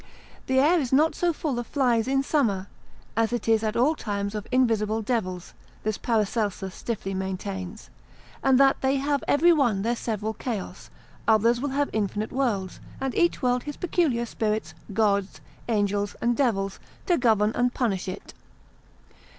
The air is not so full of flies in summer, as it is at all times of invisible devils: this Paracelsus stiffly maintains, and that they have every one their several chaos, others will have infinite worlds, and each world his peculiar spirits, gods, angels, and devils to govern and punish it.